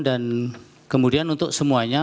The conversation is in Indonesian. dan kemudian untuk semuanya